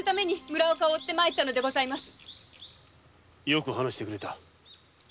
よく話してくれた。